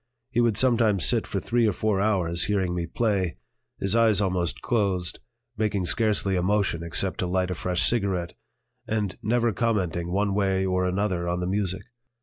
He would sometimes sit for three or four hours hearing me play, his eyes almost closed, making scarcely a motion except to light a fresh cigarette, and never commenting one way or another on the music.